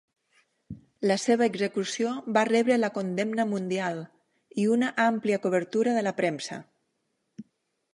La seva execució va rebre la condemna mundial i una àmplia cobertura de la premsa.